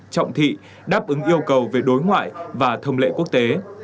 trọng thị đáp ứng yêu cầu về đối ngoại và thông lệ quốc tế